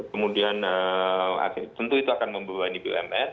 kemudian tentu itu akan membawa ini bumn